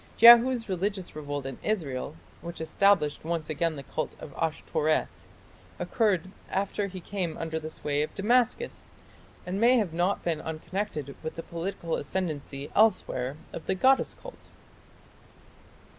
Jehu's religious revolt in Israel, which established once again the cult of Ashtoreth, occurred after he came under the sway of Damascus, and may have not been unconnected with the political ascendancy elsewhere of the goddess cult.